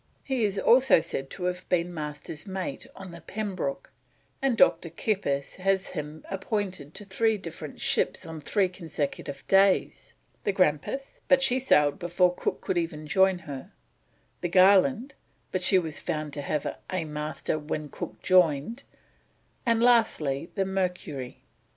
He is also said to have been Master's mate on the Pembroke, and Dr. Kippis has him appointed to three different ships on three consecutive days: the Grampus, but she sailed before Cook could join her; the Garland, but she was found to have a Master when Cook joined; and, lastly, the Mercury.